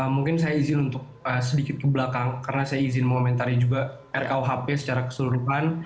mungkin saya izin untuk sedikit ke belakang karena saya izin mengomentari juga rkuhp secara keseluruhan